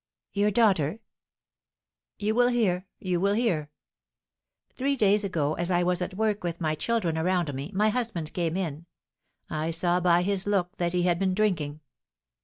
"Your daughter?" "You will hear you will hear! Three days ago, as I was at work with my children around me, my husband came in. I saw by his look that he had been drinking.